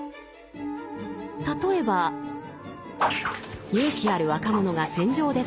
例えば勇気ある若者が戦場で戦っています。